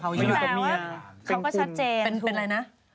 มาอยู่กับเมียเขาก็ชัดเจนเป็นอะไรนะเป็นคุณ